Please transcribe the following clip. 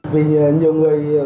vì nhiều người